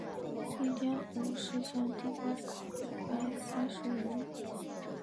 应天府乡试第一百三十五名。